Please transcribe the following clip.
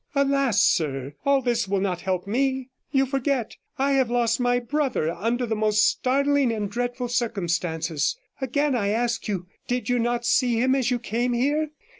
'Alas ! sir, all this will not help me. You forget, I have lost my brother under the most startling and dreadful circumstances. Again, I ask you, did you not see him as you came here?